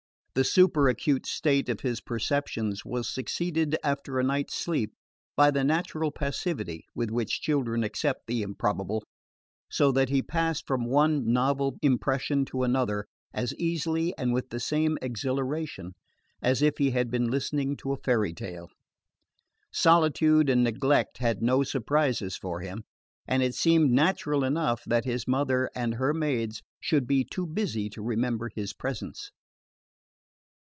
The super acute state of his perceptions was succeeded after a night's sleep by the natural passivity with which children accept the improbable, so that he passed from one novel impression to another as easily and with the same exhilaration as if he had been listening to a fairy tale. Solitude and neglect had no surprises for him, and it seemed natural enough that his mother and her maids should be too busy to remember his presence.